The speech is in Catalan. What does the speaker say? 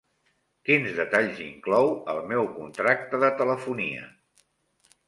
Quins detalls inclou el meu contracte de telefonia?